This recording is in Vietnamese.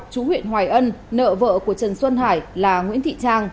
chú huyện hoài ân nợ vợ của trần xuân hải là nguyễn thị trang